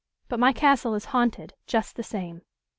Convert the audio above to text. But my castle is haunted, just the same.